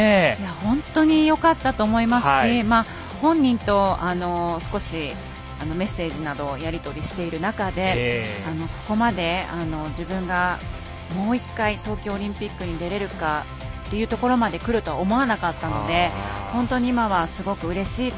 本当よかったと思いますし本人とメッセージなどをやり取りしている中でここまで自分がもう１回東京オリンピックに出れるかというところまでくるとは思わなかったので本当に今はすごくうれしいと。